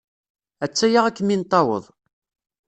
A-tt-aya ad kem-in-taweḍ.